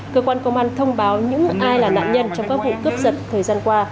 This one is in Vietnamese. cơ quan công an thông báo những ai là nạn nhân trong các vụ cướp giật thời gian qua